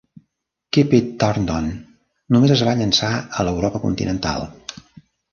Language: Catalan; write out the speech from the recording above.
"Keep It Turned On" només es va llançar a l'Europa Continental.